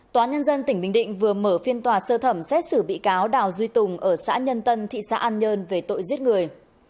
tòa nhân dân tỉnh bình định vừa mở phiên tòa sơ thẩm xét xử bị cáo đào duy tùng ở xã nhân tân thị xã an nhơn về tội giết người